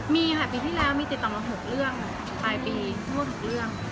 มีค่ะปีที่แล้วมีติดต่อมา๖เรื่องปลายปีทั่ว๖เรื่อง